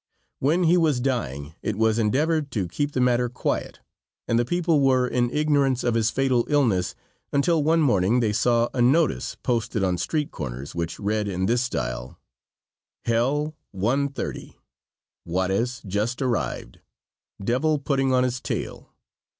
When he was dying it was endeavored to keep the matter quiet, and the people were in ignorance of his fatal illness until one morning they saw a notice posted on street corners, which read in this style: "Hell, 1.30. Juarez just arrived. Devil putting on his tail."